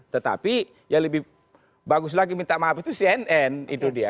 tetapi yang lebih bagus lagi minta maaf itu cnn itu dia